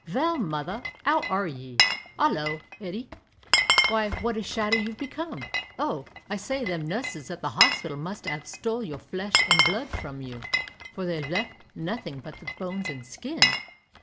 "Vell, mother, 'ow are ye? Hallo! Hetty! w'y, wot a shadder you've become! Oh! I say, them nusses at the hospital must 'ave stole all your flesh an' blood from you, for they've left nothin' but the bones and skin."